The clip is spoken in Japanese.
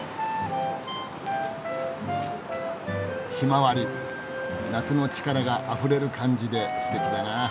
ひまわり夏の力があふれる感じですてきだなあ。